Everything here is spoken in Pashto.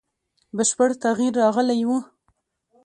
بشپړ تغییر راغلی وو.